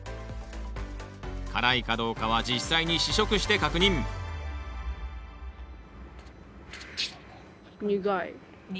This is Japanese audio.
辛いかどうかは実際に試食して確認どっちなの？